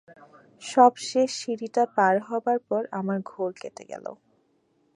সব-শেষ সিঁড়িটা পার হবার পর আমার ঘোর কেটে গেল।